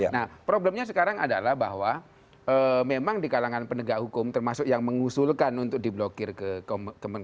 nah problemnya sekarang adalah bahwa memang di kalangan penegak hukum termasuk yang mengusulkan untuk diblokirkan